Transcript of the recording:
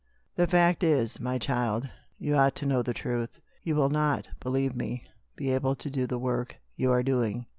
" The fact is, my child, you ought to know the truth. You will not, believe me, be able to do the work you are doing.